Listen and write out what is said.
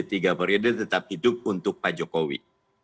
tiga periode tetap hidup untuk pak jokowi